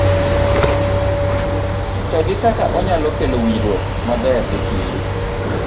to gi kaka onyalo kelo winjruok maber e kind u